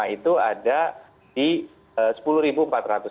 itu ada di sepuluh empat ratus